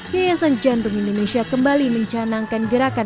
yayasan jantung indonesia kembali mencanangkan gerakan